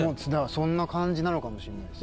そんな感じなのかもしれないです。